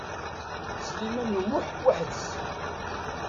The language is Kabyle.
Sliman U Muḥ weḥd-s.